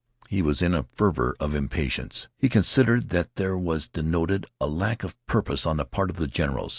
He was in a fever of impatience. He considered that there was denoted a lack of purpose on the part of the generals.